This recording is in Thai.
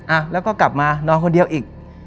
อ่ะแล้วก็กลับมานอนคนเดียวอีก